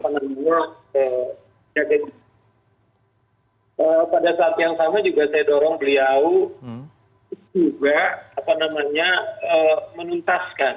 pada saat yang sama juga saya dorong beliau juga menuntaskan